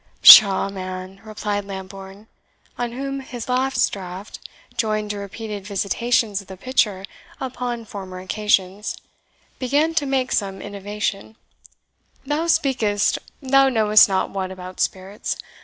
"Pshaw, man!" replied Lambourne, on whom his last draught, joined to repeated visitations of the pitcher upon former occasions, began to make some innovation, "thou speakest thou knowest not what about spirits.